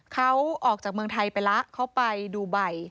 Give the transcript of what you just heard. เขาออกจากเมืองไทยไปแล้วเขาไปดูใบ